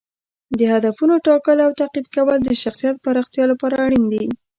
د هدفونو ټاکل او تعقیب کول د شخصیت پراختیا لپاره اړین دي.